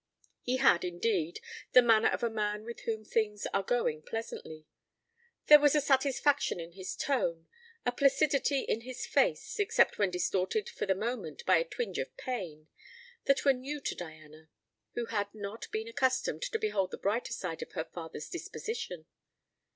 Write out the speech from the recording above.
He had, indeed, the manner of a man with whom things are going pleasantly. There was a satisfaction in his tone, a placidity in his face, except when distorted for the moment by a twinge of pain, that were new to Diana, who had not been accustomed to behold the brighter side of her father's disposition.